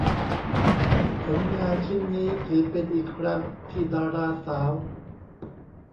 ผลงานชิ้นนี้ถือเป็นอีกครั้งที่ดาราสาว